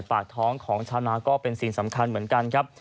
ปากท้องของชาวนาก็เป็นสิ่งสำคัญเหมือนกันครับ